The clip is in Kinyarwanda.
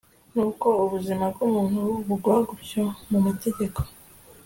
nuko ubuzima bw'umuntu bugwa butyo mu mutego